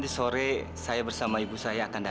itu juga yang gue sampein sama kamila